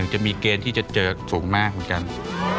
จะมีเกณฑ์ที่จะเจอสูงมากเหมือนกัน